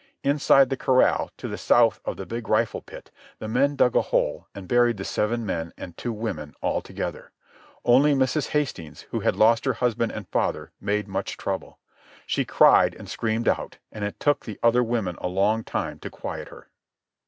Inside the corral, to the south of the big rifle pit, the men dug a hole and buried the seven men and two women all together. Only Mrs. Hastings, who had lost her husband and father, made much trouble. She cried and screamed out, and it took the other women a long time to quiet her.